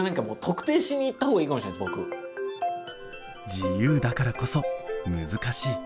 自由だからこそ難しい。